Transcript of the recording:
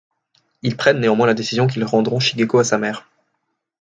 Ils prennent néanmoins la décision qu'ils rendront Shigeko à sa mère.